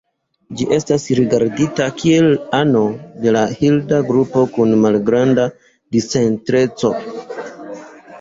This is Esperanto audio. Ĝi estas rigardita kiel ano de la Hilda grupo kun malgranda discentreco.